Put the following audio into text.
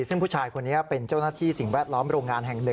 ซึ่งผู้ชายคนนี้เป็นเจ้าหน้าที่สิ่งแวดล้อมโรงงานแห่ง๑